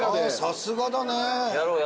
さすがだね。